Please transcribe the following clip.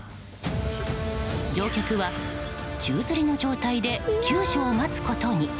乗客は宙づりの状態で救助を待つことに。